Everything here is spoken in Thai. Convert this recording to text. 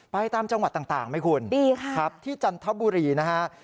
ตามจังหวัดต่างไหมคุณดีค่ะครับที่จันทบุรีนะฮะ